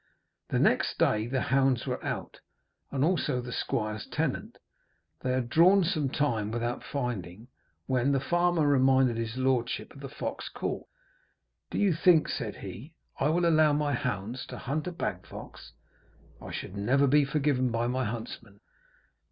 The next day the hounds were out, and also the Squire's tenant; they had drawn some time without finding, when the farmer reminded his Lordship of the fox caught. 'Do you think,' said he, 'I will allow my hounds to hunt a bag fox? I should never be forgiven by my huntsman!'